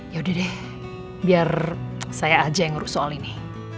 yauda deh biar saya aja yang ngeru soal ini